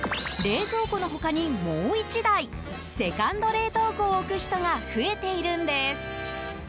冷蔵庫の他にもう１台セカンド冷凍庫を置く人が増えているんです。